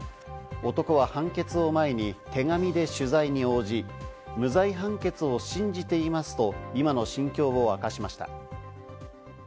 男は判決を前に手紙で取材に応じ、無罪判決を信じていますと今の心境を明かしました。